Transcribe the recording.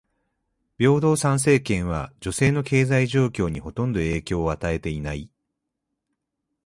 平等参政権は女性の経済状況にほとんど影響を与えていない。